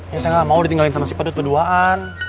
ya saya nggak mau ditinggalin sama si padut berduaan